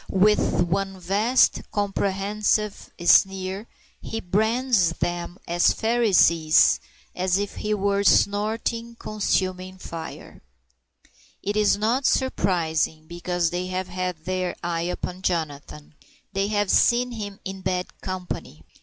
With one vast comprehensive sneer he brands them as Pharisees, as if he were snorting consuming fire. It is not surprising, because they have had their eye upon Jonathan. They have seen him in bad company.